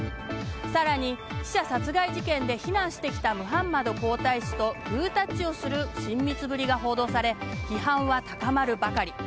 更に、記者殺害事件で非難してきたムハンマド皇太子とグータッチをする親密ぶりが報道され批判は高まるばかり。